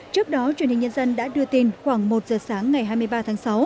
trước đó truyền hình nhân dân đã đưa tin khoảng một giờ sáng ngày hai mươi ba tháng sáu